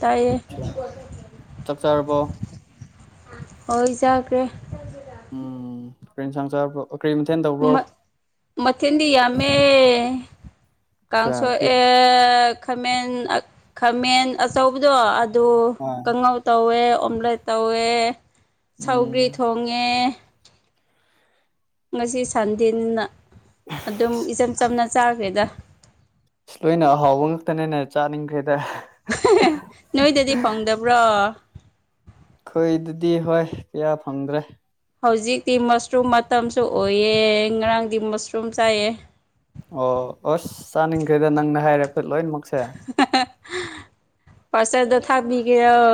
ꯇꯥꯏꯌꯦ ꯑꯆꯥ ꯆꯥꯛ ꯆꯥꯔꯕꯣ ꯍꯣꯏ ꯆꯈꯔꯦ ꯎꯝ ꯀꯔꯤ ꯌꯦꯟꯁꯥꯡ ꯆꯕꯔꯣ ꯃꯊꯦꯟꯗꯤ ꯌꯥꯝꯃꯦ ꯑꯆꯥ ꯀꯥꯡꯁꯣꯏ ꯀꯔꯤ ꯑꯦ ꯈꯥꯃꯦꯟ ꯈꯥꯃꯦꯟ ꯑꯆꯧꯕꯗꯣ ꯑꯗꯨ ꯀꯥꯡꯉꯧ ꯇꯧꯋꯦ ꯑꯣꯝꯂꯦꯠ ꯇꯧꯋꯦ ꯁꯧꯒ꯭ꯔꯤ ꯎꯝ ꯊꯣꯡꯉꯦ ꯉꯁꯤ ꯁꯥꯟꯗꯦꯟꯅꯤꯅ ꯑꯗꯨꯝ ꯏꯆꯝ ꯆꯝꯅ ꯆꯥꯈ꯭ꯔꯦꯗ ꯑꯁ ꯂꯣꯏꯅ ꯑꯍꯥꯎꯕ ꯉꯥꯛꯇꯅꯦꯅꯦ ꯆꯥꯅꯤꯡꯈ꯭ꯔꯦ ꯅꯣꯏꯗꯗꯤ ꯐꯪꯗꯕ꯭ꯔꯣ ꯑꯈꯣꯏꯗꯨꯗꯤ ꯍꯣꯏ ꯀꯌꯥ ꯐꯪꯗ꯭ꯔꯦ ꯍꯧꯖꯤꯛꯇꯤ ꯃꯁꯔꯨꯝ ꯃꯇꯝꯁꯨ ꯑꯣꯏꯌꯦ ꯉꯔꯥꯡꯗꯤ ꯃꯁꯔꯨꯝ ꯆꯥꯏꯑꯦ ꯑꯣ ꯑꯁ ꯆꯥꯅꯤꯡꯈꯔꯦꯗ ꯅꯪꯅ ꯍꯥꯏꯔꯛꯄ ꯂꯣꯏꯅꯃꯛ ꯋꯆꯥꯞꯇ ꯊꯥꯕꯤꯒꯦꯔꯣ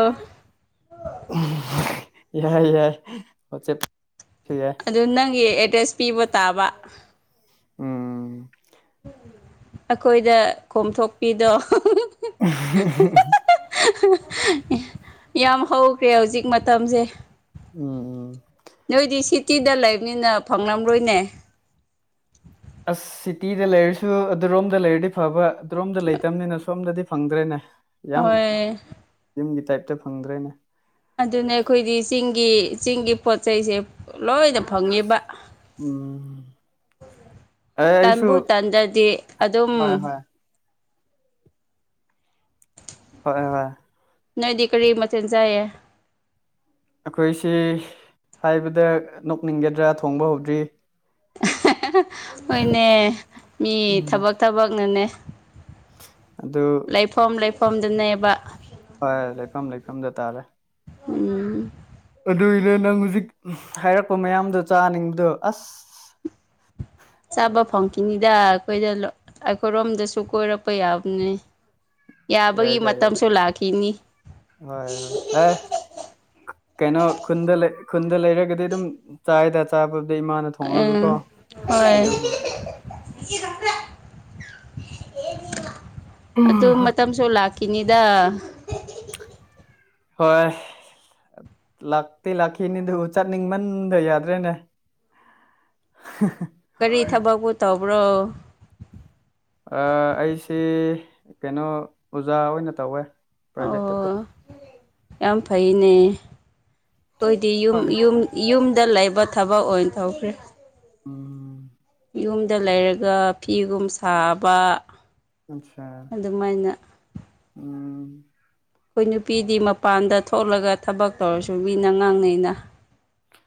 ꯌꯥꯏ ꯌꯥꯏ ꯋ ꯑꯗꯨ ꯅꯪꯒꯤ ꯑꯦꯗ꯭ꯔꯦꯁ ꯄꯤꯕ ꯇꯥꯕ ꯎꯝ ꯑꯩꯈꯣꯏꯗ ꯀꯣꯝꯊꯣꯛꯄꯤꯗꯣ ꯌꯥꯝ ꯍꯧꯈ꯭ꯔꯦ ꯍꯧꯖꯤꯛ ꯃꯇꯝꯁꯦ ꯎꯝ ꯎꯝ ꯅꯣꯏꯗꯤ ꯁꯤ ꯁꯇꯤꯗ ꯂꯩꯕꯅꯤꯅ ꯐꯪꯂꯝꯔꯣꯏꯅꯦ ꯑꯁ ꯁꯤꯇꯤꯗ ꯂꯩꯔꯁꯨ ꯑꯗꯨꯔꯣꯝꯗ ꯂꯩꯔꯗꯤ ꯐꯕ ꯑꯗꯨꯔꯣꯝꯗ ꯂꯩꯇꯕꯅꯤꯅ ꯁꯣꯝꯗꯗꯤ ꯐꯪꯗ꯭ꯔꯦꯅꯦ ꯌꯥꯝ ꯍꯣꯏ ꯌꯨꯝꯒꯤ ꯇꯥꯏꯞꯇ ꯐꯪꯗ꯭ꯔꯦꯅꯦ ꯑꯗꯨꯅ ꯑꯩꯈꯣꯏꯗꯤ ꯆꯤꯡꯒꯤ ꯆꯤꯡꯒꯤ ꯄꯣꯠ ꯆꯩꯁꯦ ꯂꯣꯏꯅ ꯐꯪꯉꯦꯕ ꯎꯝ ꯑꯦ ꯑꯩꯁꯨ ꯇꯟꯕꯨ ꯇꯟꯗꯗꯤ ꯑꯗꯨꯝ ꯍꯣꯏ ꯍꯣꯏ ꯍꯣꯢ ꯅꯣꯏꯗꯤ ꯀꯔꯤ ꯃꯊꯦꯜ ꯆꯥꯢꯌꯦ ꯑꯩꯈꯣꯏꯁꯤ ꯍꯥꯏꯕꯗ ꯅꯣꯛꯅꯤꯡꯒꯗ꯭ꯔꯥ ꯊꯣꯡꯕ ꯍꯧꯗ꯭ꯔꯤ ꯍꯣꯏꯅꯦ ꯃꯤ ꯎꯝ ꯊꯕꯛ ꯊꯕꯛꯅꯅꯦ ꯑꯗꯨ ꯂꯩꯐꯝꯣꯝ ꯂꯩꯐꯝꯝꯗꯨꯅꯦꯕ ꯍꯣꯏ ꯂꯩꯐꯝ ꯂꯩꯐꯝꯗꯇꯥꯥꯔꯦ ꯎꯝ ꯑꯗꯨꯏꯅ ꯅꯪ ꯍꯧꯖꯤꯛ ꯍꯥꯏꯔꯛꯄ ꯃꯌꯥꯝꯗꯣ ꯆꯥꯅꯤꯡꯕꯗꯣ ꯑꯁ ꯆꯥꯕ ꯐꯪꯈꯤꯅꯤꯗ ꯑꯩꯈꯣꯏꯗ ꯑꯩꯈꯣꯏꯔꯣꯝꯗꯁꯨ ꯀꯣꯏꯔꯛꯄ ꯌꯥꯕꯅꯤ ꯌꯥꯕꯒꯤ ꯌꯥꯏꯗ ꯌꯥꯏꯗ ꯃꯇꯝꯁꯨ ꯂꯥꯛꯈꯤꯅꯤ ꯍꯣꯏ ꯍꯣꯏ ꯑꯦ ꯀꯩꯅꯣ ꯈꯨꯟꯗ ꯂꯩ ꯈꯨꯟꯗ ꯂꯩꯔꯒꯗꯤ ꯑꯗꯨꯝ ꯆꯥꯏꯗ ꯆꯥꯕ ꯑꯗ ꯏꯃꯥꯅ ꯊꯣꯡꯉꯒꯀꯣ ꯎꯝ ꯍꯣꯏ ꯑꯗꯨꯕꯨ ꯑꯗꯨ ꯃꯇꯝꯁꯨ ꯂꯥꯛ ꯀꯅꯤꯗ ꯍꯣꯏ ꯂꯥꯛꯇꯤ ꯂꯥꯛꯈꯤꯅꯤꯗꯨ ꯆꯠꯅꯤꯡꯃꯟꯗ ꯌꯥꯗ꯭ꯔꯦꯅꯦ [unintelligible] ꯀꯔꯤ ꯊꯕꯛꯄꯨ ꯇꯧꯕ꯭ꯔꯣ ꯑꯩꯁꯤ ꯀꯩꯅꯣ ꯑꯣꯖꯥ ꯑꯣꯏꯅ ꯇꯧꯋꯦ ꯄ꯭ꯔꯥꯏꯚꯦꯠ ꯇꯀ ꯑꯣ ꯌꯥꯝ ꯐꯩꯅꯦ ꯑꯩꯗꯤ ꯌ ꯍꯣꯏ ꯌ ꯌ ꯗ ꯂꯩꯕ ꯊꯕꯛ ꯑꯣꯏꯅ ꯇꯧꯈ꯭ꯔꯦ ꯎꯝ ꯌꯨꯝꯗ ꯂꯩꯔꯒ ꯐꯤꯒꯨꯝ ꯁꯥꯕ ꯑꯠꯁꯥ ꯑꯗꯨꯃꯥꯏꯅ ꯎꯝ ꯑꯩꯈꯣꯏ ꯅꯨꯄꯤꯗꯤ ꯃꯄꯥꯟꯗ ꯊꯣꯛꯂꯒ ꯊꯕꯛ ꯇꯧꯔꯁꯨ ꯃꯤꯅ ꯉꯥꯡꯅꯩꯅ [unintelligible]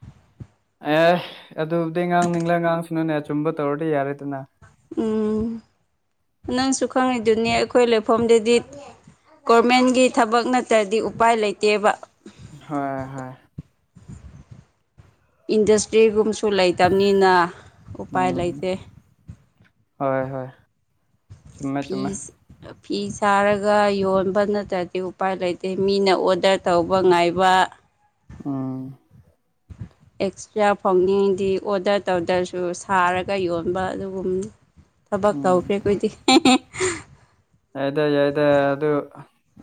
ꯑꯦ ꯑꯗꯨꯕꯨꯗꯤ ꯉꯥꯡꯅꯤꯡꯂ ꯉꯥꯡꯁꯤꯅꯨꯅꯦ ꯑꯆꯨꯝꯕ ꯇꯧꯔꯗꯤ ꯌꯥꯔꯦꯗꯅ ꯎꯝ ꯅꯪꯁꯨ ꯈꯪꯉꯤꯗꯨꯅꯤ ꯑꯩꯈꯣꯏ ꯂꯩꯐꯝꯗꯗꯤ ꯒꯣꯔꯃꯦꯟꯒꯤ ꯊꯕꯛ ꯅꯠꯇ꯭ꯔꯗꯤ ꯎꯄꯥꯏ ꯂꯩꯇꯦꯕ ꯍꯣꯏ ꯍꯣꯏ ꯏꯟꯗꯁꯇ꯭ꯔꯤꯒꯨꯝꯕꯁꯨ ꯂꯩꯇꯕꯅꯤꯅ ꯎꯄꯥꯏ ꯎꯝ ꯂꯩꯇꯦ ꯍꯣꯏ ꯍꯣꯏ ꯆꯨꯝꯃꯦ ꯆꯨꯝꯃꯦ ꯐꯤꯁ ꯐꯤ ꯁꯥꯔꯒ ꯌꯣꯟꯕ ꯅꯠꯇ꯭ꯔꯗꯤ ꯎꯄꯥꯏ ꯂꯩꯇꯦ ꯃꯤꯅ ꯑꯣꯗꯔ ꯇꯧꯕ ꯉꯥꯏꯕ ꯑ ꯑꯦꯛꯁꯇ꯭ꯔꯥ ꯐꯧꯅꯤꯡꯗꯤ ꯑꯣꯗꯔ ꯇꯧꯗ꯭ꯔꯁꯨ ꯁꯥꯔꯒ ꯌꯣꯟꯕ ꯑꯗꯨꯒꯨꯝꯅꯤ ꯊꯕꯛ ꯎꯝ ꯇꯧꯈ꯭ꯔꯦ ꯑꯩꯈꯣꯏꯗꯤ ꯌꯥꯏꯗ ꯌꯥꯏꯗ ꯑꯗꯨ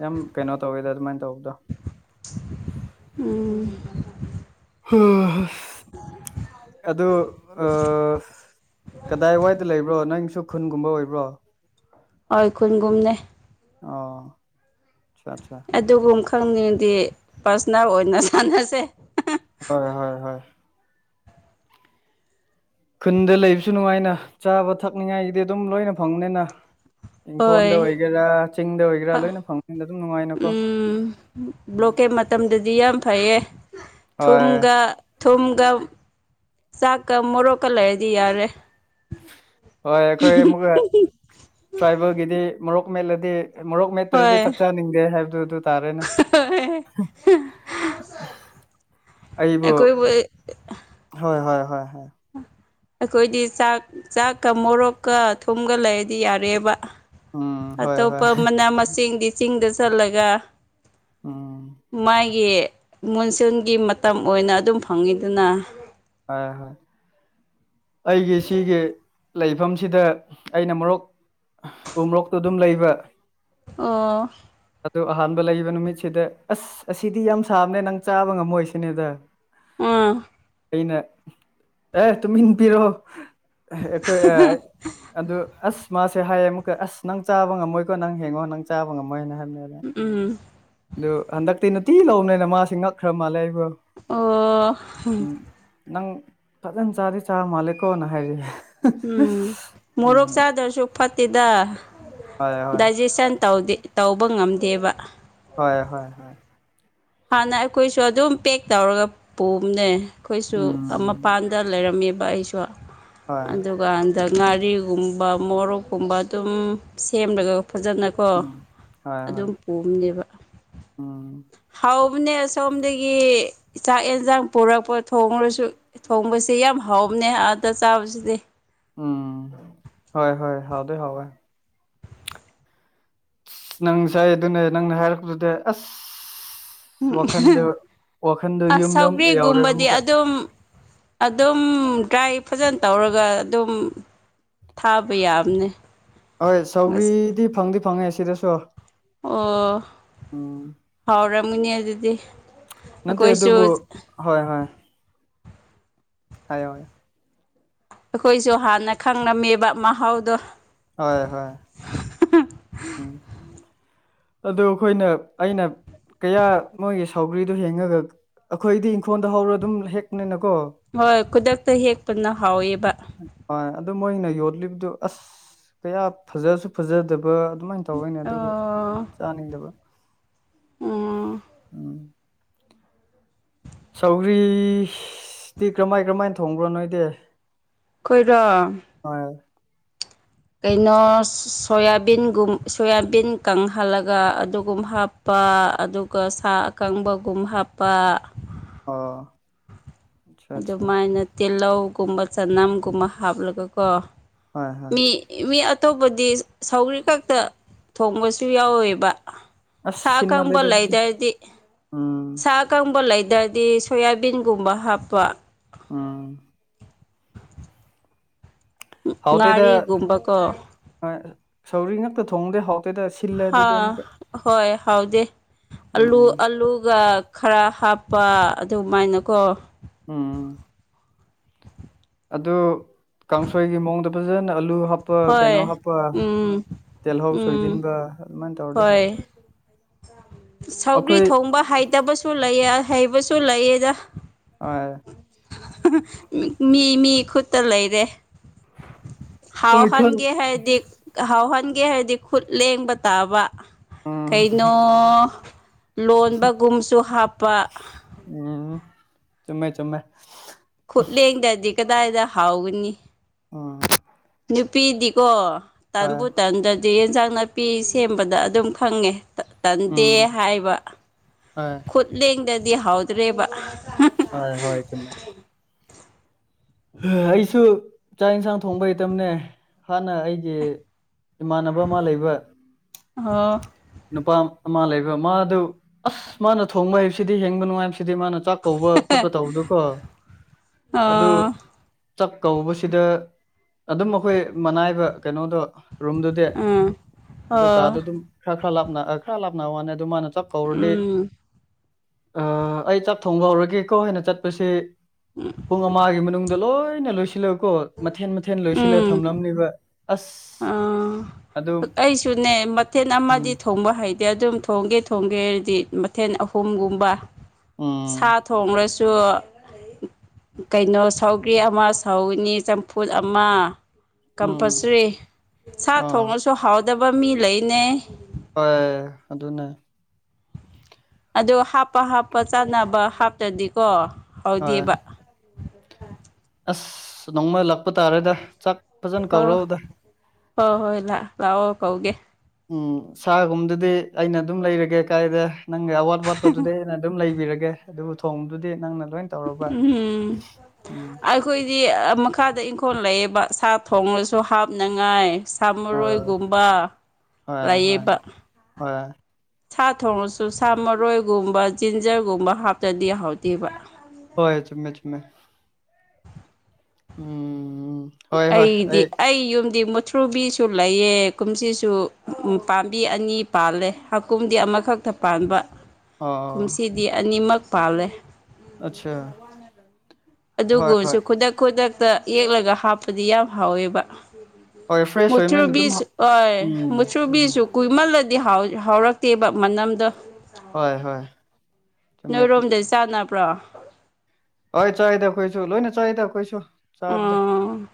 ꯌꯥꯝ ꯀꯩꯅꯣ ꯇꯧꯋꯦꯗ ꯑꯗꯨꯃꯥꯏꯅ ꯇꯧꯕꯗꯣ ꯎꯝ ꯍꯣꯏ ꯍꯣꯏ ꯑꯗꯨ ꯀꯗꯥꯏ ꯋꯥꯏꯗ ꯂꯩꯕ꯭ꯔꯣ ꯅꯪ ꯈꯨꯟꯒꯨꯝꯕ ꯑꯣꯏꯕ꯭ꯔꯣ ꯍꯣꯏ ꯈꯨꯟꯒꯨꯝꯅꯦ ꯑꯣ ꯑꯠꯆꯥ ꯑꯠꯆꯥ ꯑꯗꯨꯒꯨꯝ ꯈꯪꯅꯤꯡꯗꯤ ꯄꯔꯁꯅꯦꯜ ꯑꯣꯏꯅ ꯁꯥꯟꯅꯁꯦ ꯍꯣꯏ ꯍꯣꯏ ꯍꯣꯏ ꯈꯨꯟꯗ ꯂꯩꯕꯁꯨ ꯅꯨꯡꯉꯥꯏꯅ ꯆꯥꯕ ꯊꯛꯅꯤꯉꯥꯏꯒꯤꯗꯤ ꯑꯗꯨꯝ ꯂꯣꯏꯅ ꯐꯪꯅꯤꯅ ꯍꯣꯏ ꯏꯪꯈꯣꯜꯗ ꯑꯣꯏꯒꯦꯔꯥ ꯆꯤꯡꯗ ꯑꯣꯏꯒꯦꯔꯥ ꯂꯣꯏꯅ ꯐꯪꯕꯗ ꯑꯗꯨꯝ ꯅꯨꯡꯉꯥꯏꯅꯀꯣ ꯕ꯭ꯂꯣꯛꯀꯦꯠ ꯃꯇꯝꯗꯗꯤ ꯌꯥꯝ ꯐꯩꯌꯦ ꯍꯣꯏ ꯊꯨꯝꯒ ꯊꯨꯝꯒ ꯁꯥꯀ ꯃꯣꯔꯣ ꯀꯂ ꯍꯥꯏꯗꯤ ꯌꯥꯔꯦ ꯍꯣꯏ ꯑꯩꯈꯣꯏ ꯑꯃꯨꯛ ꯇ꯭ꯔꯥꯏꯕꯦꯜꯒꯤꯗꯤ ꯃꯣꯔꯣꯛ ꯃꯠꯂꯗꯤ ꯃꯣꯔꯣꯛ ꯃꯦꯠꯇ꯭ꯔꯗꯤ ꯍꯣꯏ ꯆꯥꯛ ꯆꯥꯅꯤꯡꯗꯦ ꯍꯥꯏꯕꯗꯨ ꯑꯗꯨ ꯇꯥꯔꯦꯅꯦ ꯆ ꯑꯩꯕꯨꯣ ꯍꯣꯏ ꯍ ꯍ ꯑꯩꯈꯣꯏꯗꯤ ꯆꯥꯛ ꯆꯥꯛꯀ ꯃꯣꯔꯣꯛꯀ ꯊꯨꯝꯒ ꯂꯩꯔꯗꯤ ꯌꯥꯔꯦꯕ ꯎꯝ ꯍꯣꯏ ꯍꯣꯏ ꯑꯇꯣꯞꯄ ꯃꯅꯥ ꯃꯁꯤꯡꯗꯤ ꯆꯤꯡꯗ ꯆꯜꯂꯒ ꯎꯝ ꯃꯥꯏ ꯒꯤ ꯃꯨꯟꯁꯨꯟꯒꯤ ꯃꯇꯝ ꯑꯣꯏꯅ ꯑꯗꯨꯝ ꯐꯪꯉꯤꯗꯨꯅ ꯍꯣꯏ ꯍꯣꯏ ꯑꯩꯒꯤ ꯁꯤꯒꯤ ꯂꯩꯐꯝꯁꯤꯗ ꯑꯩꯅ ꯃꯣꯔꯣꯛ ꯎ ꯃꯣꯔꯣꯛꯇꯨ ꯑꯗꯨꯝ ꯂꯩꯕ ꯑꯣ ꯑꯗꯨ ꯑꯍꯥꯟꯕ ꯂꯩꯕ ꯅꯨꯃꯤꯠꯁꯤꯗ ꯑꯁ ꯑꯁꯤꯗꯤ ꯌꯥꯝ ꯁꯥꯕꯅꯦ ꯅꯪ ꯆꯥꯕ ꯉꯝꯃꯣꯏ ꯁꯤꯅꯦꯗ ꯑꯥ ꯑꯩꯅ ꯑꯦ ꯇꯨꯃꯤꯟ ꯄꯔꯣ ꯑꯩꯈꯣꯏ ꯑꯗꯨ ꯑꯁ ꯃꯥꯁꯦ ꯍꯥꯏꯌꯦ ꯑꯃꯨꯛꯀ ꯑꯁ ꯅꯪ ꯆꯕꯝꯃꯣꯏꯀꯣ ꯅꯪ ꯍꯡꯉꯣ ꯅꯪ ꯆꯥꯕ ꯉꯝꯃꯣꯏꯅ ꯍꯥꯏ ꯎꯝ ꯑꯗꯨ ꯍꯟꯗꯛꯇꯤ ꯅꯨꯡꯇꯤ ꯂꯧꯕꯅꯦꯅ ꯃꯥꯁꯤꯦ ꯉꯛꯈ꯭ꯔ ꯃꯥꯜꯂꯦ ꯑꯩꯕꯨꯣ ꯑꯣ ꯅꯪ ꯐꯖꯅ ꯆꯥꯗꯤ ꯆꯥꯔ ꯃꯥꯂ ꯀꯣꯅ ꯍꯥꯏꯔꯤ ꯎꯝ ꯎꯝ ꯃꯣꯔꯣꯛ ꯆꯥꯗ꯭ꯔꯁꯨ ꯐꯠꯇꯦꯗ ꯍꯣꯏ ꯍꯣꯏ ꯗꯥꯏꯖꯦꯁꯟ ꯇꯧꯕ ꯉꯝꯗꯦꯕ ꯍꯣꯏ ꯍꯣꯏ ꯍꯣꯏ ꯍꯥꯟꯅ ꯑꯩꯈꯣꯏꯁꯨ ꯑꯗꯨꯝ ꯄꯦꯛ ꯇꯧꯔꯒ ꯄꯨꯝꯅꯦ ꯑꯩꯈꯣꯏꯁꯨ ꯎꯝ ꯃꯄꯥꯟꯗ ꯂꯩꯔꯝꯃꯦꯕ ꯑꯩꯁꯨ ꯍꯣꯏ ꯑꯗꯨꯒ ꯍꯟꯗꯛ ꯉꯥꯔꯤꯒꯨꯝꯕ ꯃꯣꯔꯣꯛꯀꯨꯝꯕ ꯑꯗꯨꯝ ꯁꯦꯝꯂꯒ ꯐꯖꯅꯀꯣ ꯎꯝ ꯍꯣꯏ ꯍꯣꯏ ꯑꯗꯨꯝ ꯄꯨꯝꯅꯦꯕ ꯎꯝ ꯍꯥꯎꯕꯅꯦ ꯁꯣꯝꯗꯒꯤ ꯆꯥꯛ ꯌꯦꯟꯁꯥꯡ ꯄꯨꯔꯛꯄ ꯊꯣꯡꯉꯨꯔꯁꯨ ꯊꯣꯡꯕꯁꯦ ꯌꯥꯝ ꯍꯕꯅꯦ ꯑꯥꯗ ꯆꯥꯕꯁꯤꯗꯤ ꯎꯝ ꯍ ꯍꯣꯏ ꯍꯥꯎꯗ ꯍ ꯅꯪ ꯉꯁꯥꯏ ꯑꯗꯨꯅꯦ ꯅꯪꯅ ꯍꯥꯏꯔꯛꯄꯗꯨꯗꯤ ꯑꯁ ꯑ ꯋꯥꯈꯟꯗꯣ ꯋꯥꯈꯟꯗꯣ ꯌꯨꯝ ꯑꯁ ꯂꯣꯝ ꯌꯥꯎꯔꯒ ꯁꯧꯒ꯭ꯔꯤꯒꯨꯝꯕꯗꯤ ꯑꯃꯨꯛꯀ ꯑꯗꯨꯝ ꯑꯗꯨꯝ ꯗ꯭ꯔꯥꯏꯚ ꯐꯖꯅ ꯇꯧꯔꯒ ꯑꯗꯨꯝ ꯊꯥꯕ ꯌꯥꯝꯅꯦ ꯍꯣꯏ ꯁꯧꯒ꯭ꯔꯤꯗꯤ ꯐꯪꯗꯤ ꯐꯪꯉꯦ ꯁꯤꯗꯁꯨ ꯑꯣ ꯎꯝ ꯍꯥꯎꯔꯝꯃꯅꯤ ꯑꯗꯨꯗꯤ ꯅꯠꯇꯦ ꯑꯩꯈꯣꯏꯁꯨ ꯑꯗꯨꯕꯨ ꯍꯥꯏ ꯑꯩꯈꯣꯏꯁꯨ ꯍꯥꯟꯅ ꯈꯪꯉꯝꯃꯦꯕ ꯃꯍꯥꯎꯗꯣ ꯍꯣꯏ ꯍꯣꯏ ꯎꯝ ꯑꯗꯨ ꯑꯩꯈꯣꯏꯅ ꯑꯩꯅ ꯀꯌꯥ ꯃꯣꯏꯒꯤ ꯁꯥꯎꯒ꯭ꯔꯤꯗꯨꯣ ꯍꯡꯉꯒ ꯑꯩꯈꯣꯏꯗꯤ ꯏꯪꯈꯣꯜꯗ ꯍꯧꯔ ꯑꯗꯨꯝ ꯍꯦꯛꯅꯦ ꯍꯣꯏ ꯈꯨꯗꯛꯇ ꯍꯦꯛꯄꯅ ꯍꯥꯎꯋꯦꯕ ꯑꯗꯣ ꯃꯣꯏꯅ ꯌꯣꯠꯂꯤꯕꯗꯨ ꯑꯁ ꯀꯌꯥ ꯐꯖꯁꯨ ꯐꯖꯗꯕ ꯑꯗꯨꯃꯥꯏꯅ ꯇꯧꯅꯦ ꯑꯗꯨꯒꯤ ꯑꯣ ꯆꯥꯅꯤꯡꯗꯕ ꯎꯝ ꯎꯝ ꯁꯧꯒ꯭ꯔꯤꯇꯤ ꯀꯔꯃꯥꯏ ꯀꯔꯃꯥꯏꯅ ꯊꯣꯡꯕ꯭ꯔꯣ ꯅꯣꯏꯗꯤ ꯈꯣꯏꯔꯣ ꯍꯣꯏ ꯀꯩꯅꯣ ꯁꯣꯌꯥꯕꯤꯟꯒꯨꯝ ꯁꯣꯌꯥꯕꯤꯟ ꯀꯪꯍꯜꯂꯒ ꯑꯗꯨꯒꯨꯝ ꯍꯥꯞꯄ ꯍꯥꯞꯄ ꯑꯗꯨꯒ ꯁꯥ ꯑꯀꯪꯕꯒꯨꯝ ꯍꯥꯞꯄ ꯑ ꯑꯗꯨꯃꯥꯏꯅ ꯇꯤꯜꯍꯧꯒꯨꯝꯕ ꯆꯅꯝꯒꯨꯝꯕ ꯍꯥꯞꯂꯒꯀꯣ ꯍꯣꯏ ꯍꯣꯏ ꯃꯤ ꯃꯤ ꯑꯇꯣꯞꯄꯗꯤ ꯁꯧꯔꯤ ꯈꯛꯇ ꯊꯣꯡꯕꯁꯨ ꯌꯥꯎꯋꯦꯕ ꯑꯁ ꯁꯥ ꯀꯝꯕ ꯁꯤꯟꯃꯜꯂꯦꯗ ꯂꯩ ꯑꯗꯨꯗꯤ ꯂꯩꯗꯗꯤ ꯎꯝ ꯁꯥ ꯀꯝꯕ ꯂꯩꯗꯗꯤ ꯍꯥꯏꯗꯤ ꯁꯣꯌꯥꯕꯤꯟꯒꯨꯝꯕ ꯍꯥꯞꯄ ꯑꯥ ꯍꯥꯎꯇꯦꯗ ꯉꯥꯔꯤꯒꯨꯝꯕꯀꯣ ꯁꯧꯔꯤ ꯉꯛꯇ ꯊꯣꯡꯗꯦ ꯍꯥꯎ ꯍ ꯍꯣꯏ ꯍꯥꯎꯗꯦ ꯑꯂꯨ ꯎꯝ ꯑꯜꯂꯨꯒ ꯈꯔ ꯍꯥꯞꯄ ꯑꯗꯨꯃꯥꯏꯅꯀꯣ ꯎꯝ ꯑꯗꯨ ꯀꯥꯡꯁꯣꯏꯒꯤ ꯃꯑꯣꯡꯗ ꯐꯖꯅ ꯑꯂꯨ ꯍꯥꯞꯄ ꯀꯩꯅꯣ ꯍꯣꯏ ꯍꯥꯞꯄ ꯎꯝ ꯇꯦꯜ ꯍ ꯎꯝ ꯁꯣꯏꯗꯟꯕ ꯏ ꯇꯧꯔꯗ ꯍꯥꯎ ꯍꯣꯏ ꯁꯧꯒ꯭ꯔꯤ ꯑꯩꯈꯣꯏ ꯊꯣꯡꯕ ꯍꯩꯇꯕꯁꯨ ꯂꯩ ꯍꯩꯕꯁꯨ ꯂꯩꯑꯗ ꯑ ꯃꯤ ꯃꯤ ꯈꯨꯠꯇ ꯂꯩꯔꯦ ꯍꯋꯥ ꯍꯣꯏ ꯈꯪ ꯈꯥꯟꯒꯦ ꯍꯥꯏ ꯗ ꯍꯋꯥ ꯈ ꯈꯪꯒꯦ ꯍꯥꯏꯔꯗꯤ ꯈꯨꯠ ꯂꯦꯡꯕ ꯇꯥꯕ ꯎꯝ ꯀꯩꯅꯣ ꯂꯣꯟꯕꯒꯨꯝꯁꯨ ꯍꯥꯞꯄ ꯎꯝ ꯆꯨꯝꯃꯦ ꯆꯨꯝꯃꯦ ꯈꯨꯠꯂꯦꯡꯗꯗꯤ ꯀꯗꯥꯏꯗ ꯍꯥꯎꯒꯅꯤ ꯎꯝ [unintelligible] ꯁꯨꯄꯤꯗꯤꯀꯣ ꯍꯣꯏ ꯇꯟꯕꯨ ꯇꯟꯗꯗꯤ ꯌꯦꯟꯖꯥꯡ ꯅꯥꯄꯤ ꯁꯦꯝꯕꯗ ꯑꯗꯨꯝ ꯐꯪꯉꯦ ꯇꯟꯗꯦ ꯎꯝ ꯍꯥꯏꯕ ꯍꯣꯏ ꯈꯨꯠ ꯂꯦꯡꯗꯗꯤ ꯍꯥꯎꯗ꯭ꯔꯦꯕ ꯑ ꯍꯣꯏ ꯆꯃꯦ ꯑꯩꯁꯨ ꯆꯥꯛ ꯌꯦꯟꯁꯥꯡ ꯊꯣꯡꯕ ꯍꯩꯇꯅꯦ ꯍꯥꯟꯅ ꯑꯩꯒꯤ ꯏꯃꯥꯟꯅꯕ ꯑꯃ ꯂꯩꯕ ꯑꯣ ꯅꯨꯄꯥ ꯑꯃ ꯂꯩꯕ ꯃꯥꯗꯨ ꯑꯁ ꯃꯥꯅ ꯊꯣꯡꯕ ꯍꯥꯏꯩꯕꯁꯤꯗꯤ ꯍꯤꯡꯕ ꯅꯨꯡꯉꯥꯏꯕ ꯁꯤꯗꯤ ꯃꯥꯅ ꯆꯥꯛ ꯀꯧꯕ ꯈꯣꯠꯄ ꯇꯧꯕꯗꯨꯀꯣ ꯑꯗꯨ ꯑꯣ ꯆꯥꯛ ꯀꯧꯕꯁꯤꯗ ꯑꯗꯨꯝ ꯑꯩꯈꯣꯏ ꯃꯅꯥꯏꯕ ꯀꯩꯅꯣꯗꯣ ꯔꯨꯝꯗꯨꯗꯤ ꯎꯝ ꯑꯗꯨ ꯀꯥꯗ ꯑꯣ ꯑꯗꯨꯝ ꯈꯔ ꯈꯔ ꯂꯥꯞꯅ ꯈꯔ ꯂꯥꯞꯅ ꯋꯥꯅꯤ ꯑꯗꯨ ꯃꯥꯅ ꯆꯞ ꯀꯧꯔꯗꯤ ꯎꯝ ꯑꯩ ꯆꯥꯛ ꯊꯣꯡꯕ ꯍꯧꯔꯒꯦꯀꯣ ꯍꯥꯏꯅ ꯆꯠꯄꯁꯤ ꯄꯨꯡ ꯑꯃꯒꯤ ꯃꯅꯨꯡꯗ ꯂꯣꯏꯅ ꯂꯣꯏꯁꯤꯜꯂꯀꯣ ꯃꯊꯦꯟ ꯃꯊꯦꯜ ꯂꯣꯏꯁꯤꯜꯂ ꯊꯝꯂꯝꯅꯤꯕ ꯑꯥ ꯑꯩꯁꯨꯅꯦ ꯃꯊꯦꯜ ꯑꯃ ꯑꯃꯗꯤ ꯎꯝ ꯊꯣꯡꯕ ꯍꯩꯇꯦ ꯑꯗꯨꯝ ꯊꯣꯡꯒꯦ ꯊꯣꯡꯒꯦ ꯍꯥꯏꯔꯗꯤ ꯃꯊꯦꯜ ꯑꯍꯨꯝꯒꯨꯝꯕ ꯁꯥ ꯎꯝ ꯊꯣꯡꯡꯂ꯭ꯔꯁꯨ ꯀꯩꯅꯣ ꯁꯧꯒ꯭ꯔꯤ ꯑꯃ ꯁꯥꯎꯅꯤ ꯆꯝꯐꯨꯠ ꯑꯃ ꯎꯝ ꯀꯝꯄꯜꯁꯔꯤ ꯁꯥ ꯑꯥ ꯊꯣꯡꯉꯁꯨ ꯍꯥꯎꯗꯕ ꯃꯤ ꯂꯩꯅꯩ ꯍꯣꯏ ꯑꯗꯨꯅꯦ ꯑꯗꯣ ꯍꯥꯞꯄ ꯍꯥꯞꯄ ꯆꯥꯅꯕ ꯍꯥꯞꯇ꯭ꯔꯗꯤꯀꯣ ꯍꯣꯏ ꯍꯥꯎꯗꯦꯕ ꯎ [unintelligible] ꯑꯁ ꯅꯣꯡꯃꯣꯏꯂꯞ ꯆꯄ ꯇꯥꯔꯦꯗ ꯆꯥꯛ ꯐꯖꯅ ꯑꯣ ꯀꯧꯔꯣꯗ ꯍꯣꯏ ꯍꯣꯏ ꯂꯥꯛꯑꯣ ꯀꯧꯒꯦ ꯎꯝ ꯁꯥꯒꯨꯝꯗꯨꯗꯤ ꯑꯩꯅ ꯑꯗꯨꯝ ꯂꯩꯔꯒꯦ ꯀꯥꯏꯗ ꯅꯪꯒꯤ ꯑꯋꯥꯠ ꯋꯥꯠꯄꯗꯨꯗꯤ ꯑꯩꯅ ꯑꯗꯨꯝ ꯂꯩ ꯊꯤꯔꯒꯦ ꯑꯗꯨꯕꯨ ꯊꯣꯡꯗꯨꯗꯤ ꯅꯪꯅ ꯂꯣꯏ ꯇꯧꯔꯕ ꯎꯝ ꯎꯝ ꯑꯩꯈꯣꯏꯗꯤ ꯃꯈꯥꯗ ꯏꯪꯈꯣꯜ ꯂꯩꯌꯦꯕ ꯁꯥ ꯊꯣꯡꯂꯁꯨ ꯍꯥꯞꯅꯉꯥꯏ ꯑꯥ ꯁꯥꯃꯨꯔꯣꯏꯒꯨꯝꯕ ꯍꯣꯏ ꯍꯣꯏ ꯂꯩꯌꯦꯕ ꯍꯣꯏ ꯁꯥ ꯊꯣꯡꯡꯂꯁꯨ ꯁꯥ ꯃꯔꯣꯏꯒꯨꯝꯕ ꯖꯤꯟꯖꯔꯒꯨꯝꯕ ꯍꯥꯞꯇꯔꯗꯤꯍꯥꯎꯗꯦꯕ ꯍꯣꯏ ꯆꯨꯝꯃꯦ ꯆꯨꯝꯃꯦ ꯎꯝ ꯍꯣꯏ ꯍꯣꯏ ꯑꯩꯗꯤ ꯑꯩ ꯌꯨꯝ ꯃꯨꯊ꯭ꯔꯨꯕꯤꯁꯨ ꯂꯩꯑ ꯀꯨꯝꯁꯤꯁꯨ ꯎ ꯄꯥꯝꯕꯤ ꯑꯅꯤ ꯄꯥꯜꯂꯦ ꯍꯀꯨꯝꯗꯤ ꯃꯈꯛꯇ ꯄꯥꯟꯕ ꯑꯣ ꯀꯨꯝꯁꯤꯗꯤ ꯑꯅꯤꯃꯛ ꯄꯥꯜꯂꯦ ꯑꯆꯥ ꯑꯗꯨꯒꯨꯝꯕꯁꯨ ꯈꯨꯗꯛ ꯈꯨꯗꯛꯇ ꯌꯦꯛꯂꯒ ꯍꯥꯞꯄꯗꯤ ꯌꯥꯝ ꯍꯥꯎꯋꯦꯕ ꯍꯣꯏ ꯐ꯭ꯔꯦꯁ ꯑꯣꯏꯕꯅꯤꯅ ꯑꯗꯨꯝ ꯃꯨꯛꯊꯨꯔꯕꯤꯖ ꯍꯥꯎ ꯑꯣ ꯎꯝ ꯎꯝ ꯃꯨꯛꯊꯨꯔꯕꯤꯖ ꯀꯨꯃꯜ ꯂꯗꯤ ꯍꯥꯎꯔꯛꯇꯦꯕ ꯃꯅꯝꯗꯣ ꯍꯣꯏ ꯍꯣꯏ ꯆꯨꯝꯃꯦ ꯅꯣꯏꯔꯣꯝꯗ ꯆꯥꯅꯕ ꯄꯨ꯭ꯔꯥ [unintelligible] ꯂꯣꯏ ꯆꯥꯢꯗ ꯀꯣꯏꯁꯨ ꯂꯣꯏꯅ ꯆꯥꯢꯦꯗ ꯀꯣꯏꯁꯨ ꯆꯥꯕꯗ ꯎꯝ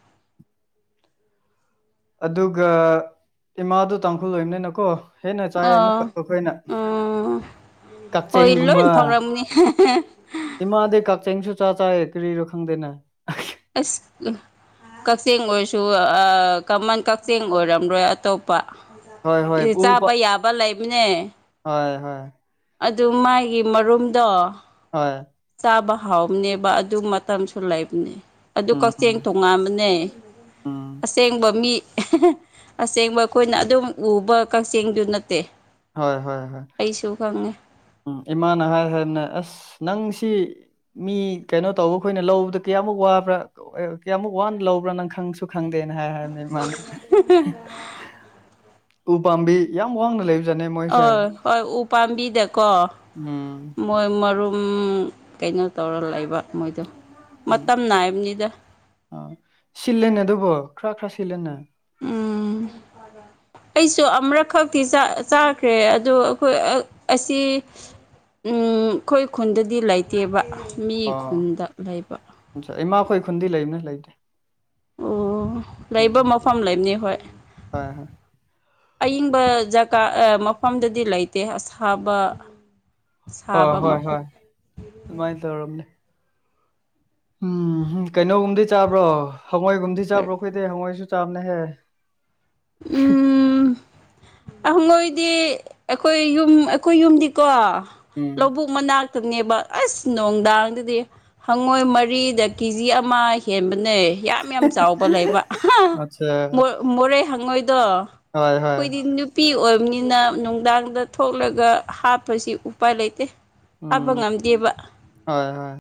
ꯑꯗꯨꯒ ꯏꯃꯥꯗꯨꯣ ꯇꯥꯡꯈꯨꯜ ꯑꯣꯏꯕꯅꯤꯅꯀꯣ ꯍꯦꯟꯅ ꯆꯥꯏ ꯑꯣ ꯑꯃꯨꯛꯀꯁꯨ ꯑꯩꯈꯣꯏꯅ ꯎꯝ ꯍꯣꯏ ꯂꯣꯏ ꯀꯛꯆꯦꯡꯒꯨꯝꯕ ꯐꯥꯎꯔꯝꯅꯤ ꯏꯃꯥꯗꯤ ꯀꯛꯆꯦꯡꯁꯨ ꯆꯥ ꯆꯥꯥꯢꯌꯦ ꯀꯔꯤꯔ ꯈꯪꯗꯦꯅꯦ ꯑꯁ ꯀꯛꯆꯤꯡ ꯑꯣꯏꯔꯁꯨ ꯀꯃꯟ ꯀꯛꯆꯤꯡ ꯑꯣꯏꯔꯝꯔꯣꯏ ꯑꯇꯣꯞꯄ ꯍꯣꯏ ꯍꯣꯏ ꯑꯦ ꯎꯕ ꯆꯥꯕ ꯌꯥꯕ ꯂꯩꯕꯅꯦ ꯍꯣꯏ ꯍꯣꯏ ꯑꯗꯨ ꯃꯥꯒꯤ ꯃꯔꯨꯝꯗꯣ ꯍꯣꯏ ꯆꯥꯕ ꯍꯥꯎꯕꯅꯦꯕ ꯑꯗꯨ ꯃꯇꯝꯁꯨ ꯂꯩꯕꯅꯦ ꯑꯗꯨ ꯎꯝ ꯀꯛꯆꯦꯡ ꯇꯣꯉꯥꯟꯕꯅꯦ ꯎꯝ ꯑꯁꯦꯡꯕ ꯃꯤ ꯑꯁꯦꯡꯕ ꯑꯩꯈꯣꯏꯅ ꯑꯗꯨꯝ ꯎꯕ ꯀꯛꯆꯦꯡꯗꯨ ꯅꯠꯇꯦ ꯍꯣꯏ ꯍꯣꯏ ꯍꯣꯏ ꯑꯩꯁꯨ ꯈꯪꯉꯦ ꯎꯝ ꯏꯃꯥꯅ ꯍꯥꯏ ꯍꯥꯏꯔꯅ ꯑꯁ ꯅꯪꯁꯤ ꯃꯤ ꯀꯩꯅꯣ ꯇꯧꯕ ꯑꯩꯈꯣꯏꯅ ꯂꯧꯕꯗ ꯀꯌꯥꯃꯨꯛ ꯋꯥꯕ꯭ꯔꯥ ꯀꯌꯥꯃꯨꯛ ꯋꯥꯅ ꯂꯧꯕ꯭ꯔꯥ ꯅꯪ ꯈꯪꯁꯨ ꯈꯪꯗꯦꯅ ꯍꯥꯏ ꯍꯥꯏꯔꯅꯤ ꯃꯥꯅ ꯎ ꯄꯥꯝꯕꯤ ꯌꯥꯝ ꯋꯥꯡꯅ ꯂꯩꯕ ꯍꯣꯏ ꯍꯣꯏ ꯎꯄꯥꯝꯕꯤꯗꯀꯣ ꯎꯝ ꯃꯣꯏ ꯃꯔꯨꯞ ꯝ ꯀꯩꯅꯣ ꯇꯧꯔ ꯂꯩꯕ ꯃꯣꯏꯗꯣ ꯎꯝ ꯃꯇꯝ ꯅꯥꯏꯕꯅꯤꯗ ꯑ ꯁꯤꯜꯂꯦꯅꯦ ꯑꯗꯨꯕꯣ ꯈꯔ ꯈꯔ ꯁꯤꯜꯂꯦꯅꯦ ꯎꯝ ꯑꯩꯁꯨ ꯑꯃꯛꯈꯛꯇꯤ ꯆꯥꯈ꯭ꯔꯦ ꯑꯗꯣ ꯑꯩꯈꯣꯏ ꯑꯁꯤ ꯎꯝ ꯑꯩꯈꯣꯏ ꯈꯨꯟꯗꯗꯤ ꯂꯩꯇꯦꯕ ꯃꯤ ꯑꯣ ꯈꯨꯟꯗ ꯂꯩꯕ ꯏꯃꯥꯈꯣꯏ ꯈꯨꯟꯗꯤ ꯂꯩꯕꯅꯦ ꯂꯩꯕꯗꯤ ꯑꯣ ꯎꯝ ꯂꯩꯕ ꯃꯐꯝ ꯂꯩꯕꯅꯤ ꯍꯣꯏ ꯍꯣꯏ ꯍꯣꯏ ꯑꯏꯪꯕ ꯖꯒꯥ ꯃꯐꯝꯗꯗꯤ ꯂꯩꯇꯦ ꯑꯁꯥꯕ ꯑ ꯁꯥꯕ ꯍꯣꯏ ꯍꯣꯏ ꯃꯐꯝ ꯑꯗꯨꯃꯥꯏꯅ ꯇꯧꯔꯕꯅꯦ ꯎꯝꯝ ꯀꯩꯅꯣꯒꯨꯝꯗꯤ ꯆꯥꯕ꯭ꯔꯣ ꯍꯋꯥꯏꯒꯨꯝꯗꯤ ꯆꯥꯕ꯭ꯔꯣ ꯈꯣꯏꯗꯦ ꯍꯉꯋꯥꯣꯏꯁꯨ ꯆꯝꯅ ꯍꯥꯏ ꯎꯝ ꯃꯣꯏꯗꯤ ꯑꯩꯈꯣꯏ ꯌꯨꯝ ꯑꯩꯈꯣꯏ ꯌꯨꯝꯗꯤꯀꯣ ꯎꯝ ꯂꯧꯕꯨꯛ ꯃꯅꯥꯛ ꯈꯥꯛꯅꯦꯕ ꯑꯁ ꯅꯨꯡꯗꯥꯡꯗꯗꯤ ꯍꯪꯉꯣꯏ ꯃꯔꯤꯗ ꯀꯦꯖꯤ ꯑꯃ ꯍꯦꯟꯕ ꯌꯥꯝ ꯌꯥꯝ ꯆꯥꯎꯕ ꯂꯩꯕ ꯑꯆꯥ ꯃꯔꯦ ꯍꯪꯉꯣꯏ ꯑꯗꯣ ꯍꯣꯏ ꯍꯣꯏ ꯑꯩꯈꯣꯏꯗꯤ ꯅꯨꯄꯤ ꯑꯣꯏꯕ ꯅꯤꯅ ꯅꯨꯡꯗꯥꯡꯗ ꯊꯣꯛꯂꯒ ꯍꯥꯞꯄꯁꯤ ꯎꯄꯥꯏ ꯂꯩꯇꯦ ꯐꯕ ꯎꯝ ꯉꯝꯗꯦꯕ ꯍꯣꯏ ꯍꯣꯏ